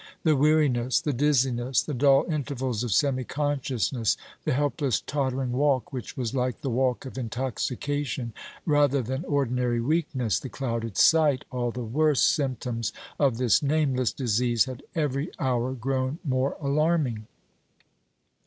The weariness the dizziness the dull intervals of semi consciousness the helpless tottering walk, which was like the walk of intoxication rather than ordinary weakness the clouded sight all the worst symptoms of this nameless disease, had every hour grown more alarming.